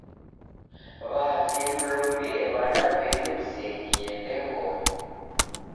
W'avi mlombie w'ana w'enyu w'isengie ndengonyi.